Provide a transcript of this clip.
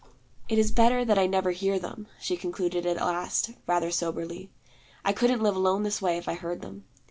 'It is better that I never hear them,' she concluded at last, rather soberly. 'I couldn't live alone this way if I heard them.